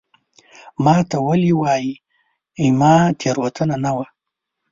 ما ته ولي وایې ؟ زما تېروتنه نه وه